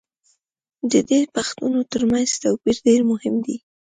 د دې پوښتنو تر منځ توپیر دېر مهم دی.